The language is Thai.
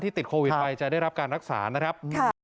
ติดโควิดไปจะได้รับการรักษานะครับ